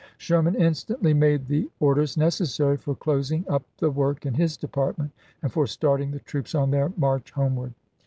Sherman instantly made the orders necessary for closing up the work in his department and for starting the troops on their march homeward.